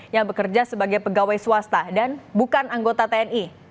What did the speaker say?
yang bekerja sebagai pegawai swasta dan bukan anggota tni